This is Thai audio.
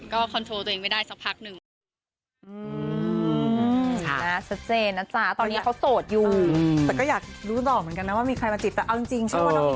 ก็คอนโทรตัวเองไม่ได้สักพักหนึ่ง